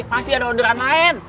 pasti ada orderan lain